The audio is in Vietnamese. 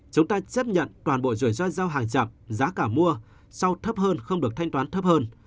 chúng ta chấp nhận toàn bộ rủi ro giao hàng giảm giá cả mua sau thấp hơn không được thanh toán thấp hơn